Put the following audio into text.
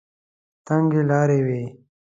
تنګې لارې وې.